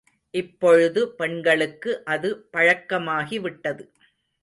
இப்பொழுது பெண்களுக்கு அது பழக்கமாகிவிட்டது.